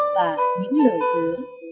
và những lời ước